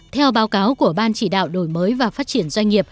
theo báo cáo của ban chỉ đạo đổi mới và phát triển doanh nghiệp